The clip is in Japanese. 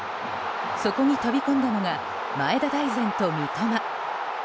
そこに飛び込んだのが前田大然と三笘。